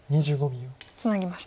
ツナぎました。